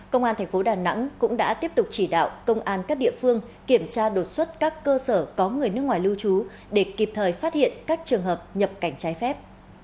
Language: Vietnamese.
công an thành phố đà nẵng cũng đã tiếp tục chỉ đạo công an các địa phương kiểm tra đột xuất các cơ sở có người nước ngoài lưu trú để kịp thời phát hiện các trường hợp nhập cảnh trái phép